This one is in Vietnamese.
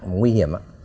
rất là nguy hiểm ạ